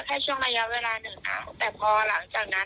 แค่ช่วงระยะเวลาหนึ่งค่ะแต่พอหลังจากนั้น